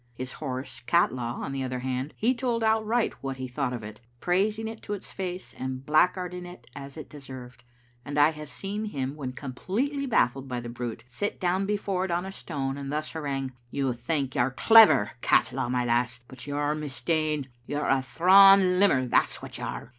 His horse, Catlaw, on the other hand, he told ' outright what he thought of it, praising it to its face and blackgfuarding it as it deserved, and I have seen him when completely baffled by the brute, sit down before it on a stone and thus harangue: "You think you're clever, Catlaw, my lass, but you're mistaken. You're a thrawn limmer, that's what you are.